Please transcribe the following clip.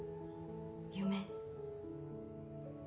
夢？